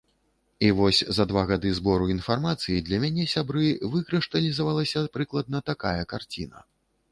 І вось за два гады збору інфармацыі для мяне, сябры, выкрышталізавалася прыкладна такая карціна.